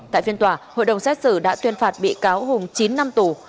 tại phiên tòa hội đồng xét xử đã tuyên phạt bị cáo hùng chín năm tù